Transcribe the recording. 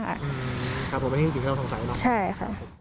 ครับผมไม่ได้ให้สิ้นให้ทำสงสัยใช่ไหมครับใช่ค่ะ